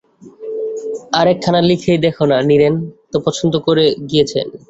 আর একখানা, লিখেই দেখো না-নীরেন তো পছন্দই করে গিয়েছেন।